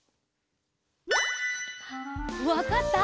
わかった？